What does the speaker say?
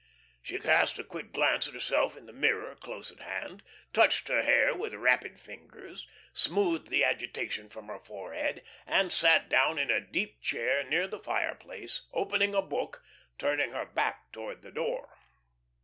She cast a quick glance at herself in the mirror close at hand, touched her hair with rapid fingers, smoothed the agitation from her forehead, and sat down in a deep chair near the fireplace, opening a book, turning her back towards the door.